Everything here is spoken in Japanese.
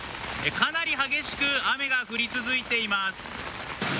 かなり激しく雨が降り続いています。